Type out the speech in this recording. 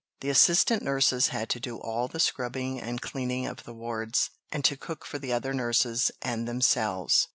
The assistant nurses had to do all the scrubbing and cleaning of the wards, and to cook for the other nurses and themselves."